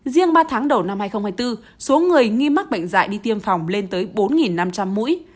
riêng ba tháng đầu năm hai nghìn hai mươi bốn số người nghi mắc bệnh dạy đi tiêm phòng lên tới bốn năm trăm linh mũi